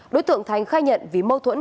đối tượng thành khai nhận vì mâu thuẫn